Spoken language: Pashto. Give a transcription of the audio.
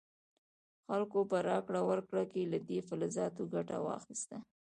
خلکو په راکړه ورکړه کې له دې فلزاتو ګټه واخیسته.